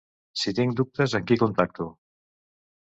Si tinc dubtes amb qui contacto?